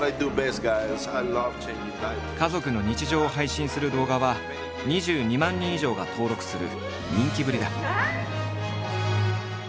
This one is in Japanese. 家族の日常を配信する動画は２２万人以上が登録する人気ぶりだ。